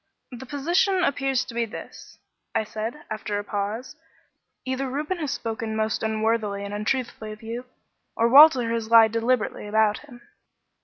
"The position appears to be this," I said, after a pause, "either Reuben has spoken most unworthily and untruthfully of you, or Walter has lied deliberately about him."